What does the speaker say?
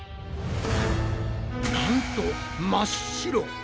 なんと真っ白！